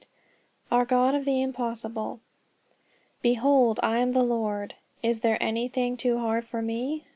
VIII OUR GOD OF THE IMPOSSIBLE "Behold I am the Lord, ... is there anything too hard for ME?"